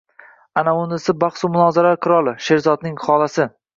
Anaunisi bahsu munozaralar qiroli — Sherzodning xonasi